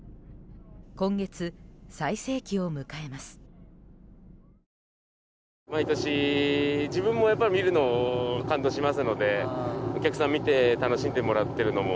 今月、最盛期を迎えます。